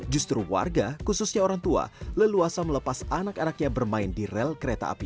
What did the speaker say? justru warga khususnya orang tua leluasa melepas anak anaknya bermain di rel kereta api